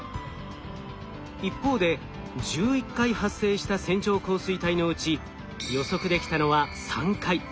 一方で１１回発生した線状降水帯のうち予測できたのは３回。